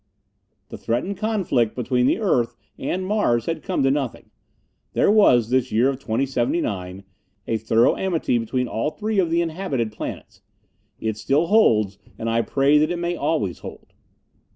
The threatened conflict between the Earth and Mars had come to nothing. There was, this year of 2079, a thorough amity between all three of the inhabited planets. It still holds, and I pray that it may always hold.